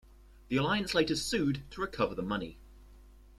The Alliance later sued to recover the money.